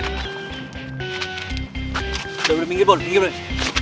udah udah pinggir bon pinggir lagi